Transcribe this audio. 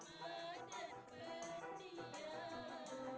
sikapmu yang meramah dan berdiam